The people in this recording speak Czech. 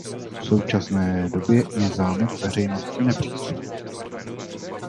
V současné době je zámek veřejnosti nepřístupný.